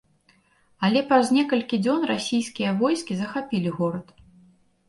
Але праз некалькі дзён расійскія войскі захапілі горад.